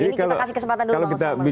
ini kita kasih kesempatan dulu bang usman